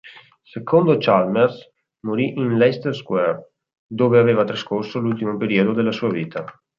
Secondo Chalmers, morì in Leicester Square, dove aveva trascorso l'ultimo periodo della sua vita.